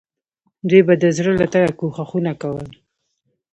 دوی به د زړه له تله کوښښونه کول.